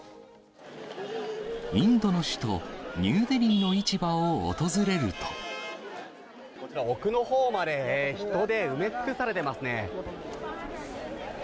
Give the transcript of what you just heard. インドの首都ニューデリーのこちら、奥のほうまで人で埋め尽くされてますね。